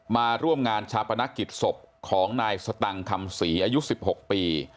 มาร่วมงานชาปนกิจศพของนายสตังค์คำศรีอายุ๑๖ปี